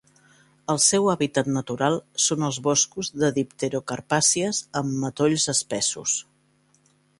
El seu hàbitat natural són els boscos de dipterocarpàcies amb matolls espessos.